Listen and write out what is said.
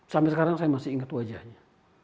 sampai sekarang saya masih ingat wajahnya